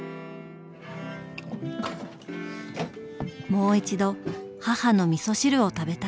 もう一度母のみそ汁を食べたい。